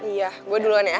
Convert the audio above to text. iya gue duluan ya